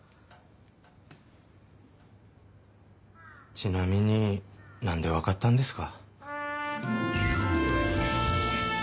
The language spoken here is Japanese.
ちなみになんで分かったんですか？